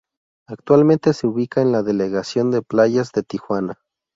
Actualmente se ubica en la delegación de Playas de Tijuana.